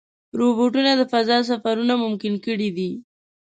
روبوټونه د فضا سفرونه ممکن کړي دي.